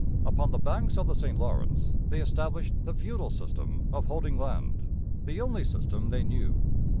Upon the banks of the St Lawrence they established the feudal system of holding land, the only system they knew.